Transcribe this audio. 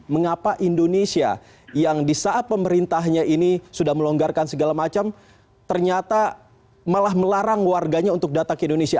mengapa indonesia yang di saat pemerintahnya ini sudah melonggarkan segala macam ternyata malah melarang warganya untuk datang ke indonesia